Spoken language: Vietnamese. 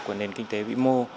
của nền kinh tế vĩ mô